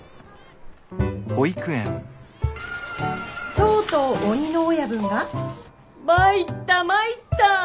「とうとう鬼の親分が『まいったぁまいったぁ。